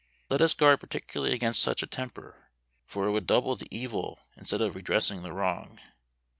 Let us guard particularly against such a temper; for it would double the evil, instead of redressing the wrong.